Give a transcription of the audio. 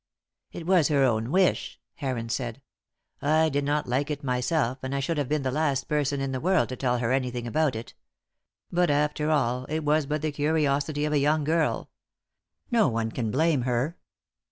"It was her own wish," Heron said. "I did not like it myself, and I should have been the last person in the world to tell her anything about it. But, after all, it was but the curiosity of a young girl. No one can blame her."